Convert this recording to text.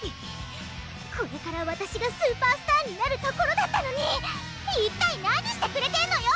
これからわたしがスーパースターになるところだったのに一体何してくれてんのよ！